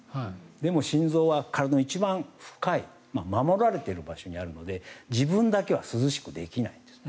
でも、心臓は体の一番深い守られている場所にあるので自分だけは涼しくできないんです。